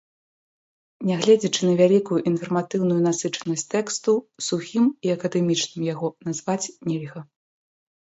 Нягледзячы на вялікую інфарматыўную насычанасць тэксту, сухім і акадэмічным яго назваць нельга.